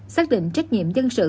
xác định trách nhiệm dân sự